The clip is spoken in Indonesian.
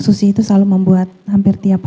biasanya susi itu selalu membuat hampir tiada obat